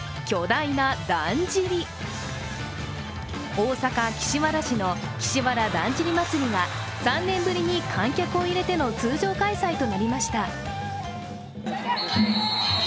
大阪・岸和田市の岸和田だんじり祭が３年ぶりに観客を入れての通常開催となりました。